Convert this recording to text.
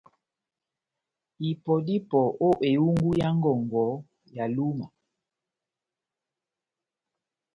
Ipɔ dá ipɔ ó ehungu yá ngɔngɔ ya Lúma,